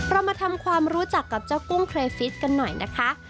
เรามาทำความรู้จักกับเจ้ากุ้งเครฟิตกันหน่อยนะคะ